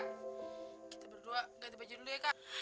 kita berdua ganti baju dulu ya kak